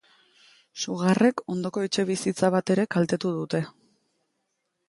Sugarrek ondoko etxebizitza bat ere kaltetu dute.